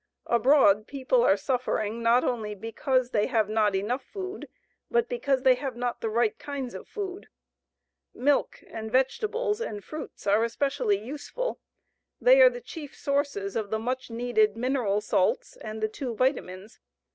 Abroad, people are suffering not only because they have not enough food, but because they have not the right kinds of food. Milk and vegetables and fruits are especially useful. They are the chief sources of the much needed mineral salts and the two vitamines.